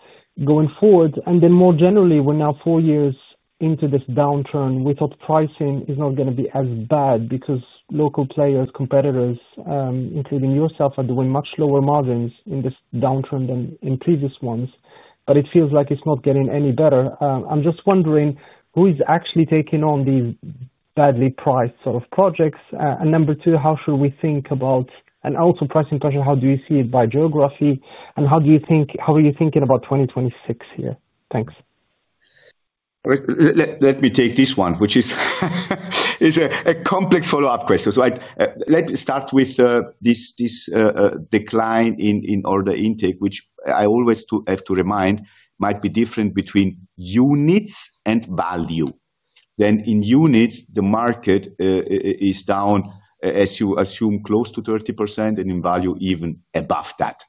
going forward. More generally, we're now four years into this downturn. We thought pricing is not going to be as bad because local players, competitors, including yourself, are doing much lower margins in this downturn than in previous ones. It feels like it's not getting any better. I'm just wondering, who is actually taking on these badly priced sort of projects? Number two, how should we think about and also pricing process. Do You see it by geography? How are you thinking about 2026 here? Thanks. Let me take this one, which is a complex follow-up question. Let me start with this decline in order intake, which I always have to remind might be different between units and value. In units, the market is down, as you assume, close to 30%, and in value even above that.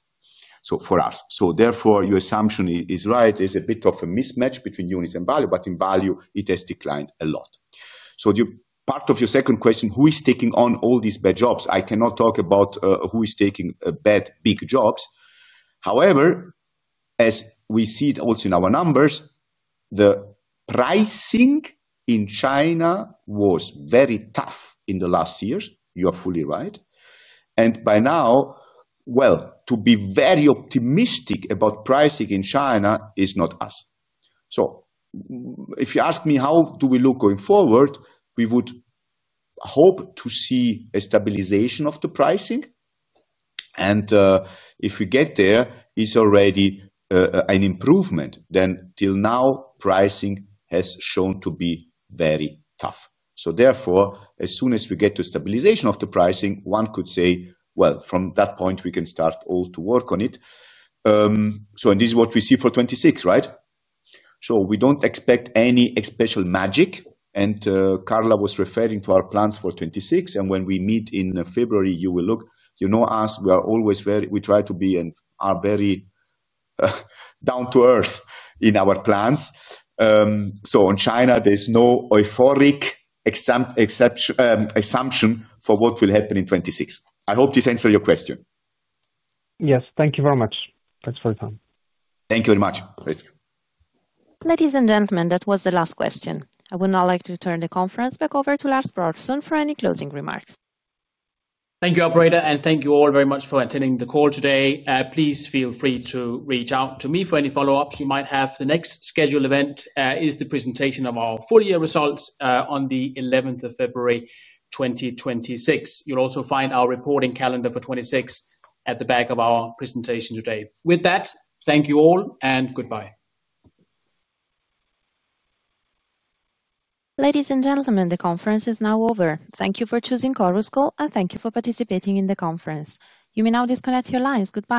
For us, your assumption is right. It's a bit of a mismatch between units and value, but in value, it has declined a lot. Part of your second question, who is taking on all these bad jobs? I cannot talk about who is taking bad, big jobs. However, as we see it also in our numbers, the pricing in China was very tough in the last years. You are fully right. To be very optimistic about pricing in China is not us. If you ask me, how do we look going forward? We would hope to see a stabilization of the pricing. If we get there, it's already an improvement. Till now, pricing has shown to be very tough. As soon as we get to a stabilization of the pricing, one could say from that point, we can start all to work on it. This is what we see for 2026, right? We don't expect any special magic. Carla was referring to our plans for 2026. When we meet in February, you will look, you know us. We are always very, we try to be and are very down to earth in our plans. In China, there's no euphoric assumption for what will happen in 2026. I hope this answered your question. Yes, thank you very much. Thanks for your time. Thank you very much. Ladies and gentlemen, that was the last question. I would now like to turn the conference back over to Lars Brorson for any closing remarks. Thank you, operator, and thank you all very much for attending the call today. Please feel free to reach out to me for any follow-ups you might have. The next scheduled event is the presentation of our full-year results on the 11th of February, 2026. You'll also find our reporting calendar for 2026 at the back of our presentation today. With that, thank you all and goodbye. Ladies and gentlemen, the conference is now over. Thank you for choosing Chorus Call, and thank you for participating in the conference. You may now disconnect your lines. Goodbye.